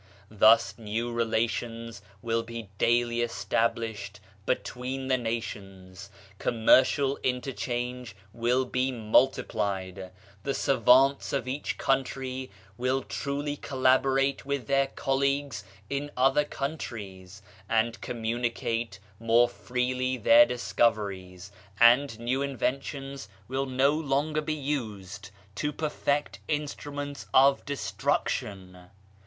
Thus new rela tions will be daily established between the nations ; commercial interchange will be multiplied; the savants of each country will truly collaborate with their colleagues in other countries, and communicate more freely their discoveries, and new inventions will no longer be used to perfect instru ments of destruction.